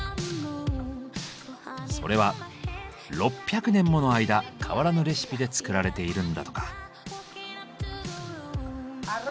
それは６００年もの間変わらぬレシピで作られているんだとか。